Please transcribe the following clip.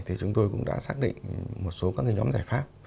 thì chúng tôi cũng đã xác định một số các nhóm giải pháp